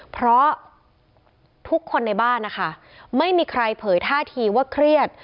เพราะทุกคนในบ้านนะคะไม่มีใครเผยท่าทีว่าเครียด